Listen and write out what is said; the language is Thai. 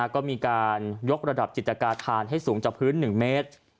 ก็มีการยกระดับจิตกาธานให้สูงจากพื้น๑เมตร